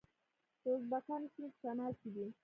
د ازبکانو سیمې په شمال کې دي